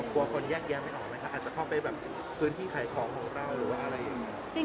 กลัวคนแยกแยะไม่ออกไหมคะอาจจะเข้าไปแบบพื้นที่ขายของของเราหรือว่าอะไรอย่างนี้